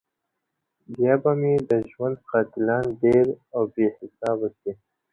• بيا به مي د ژوند قاتلان ډېر او بې حسابه سي،